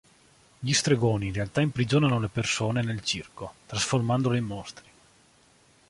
Gli stregoni in realtà imprigionano le persone nel circo, trasformandole in mostri.